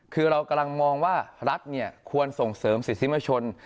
คือเรากำลังมองว่ารัฐควรส่งเสริมสิทธิมชน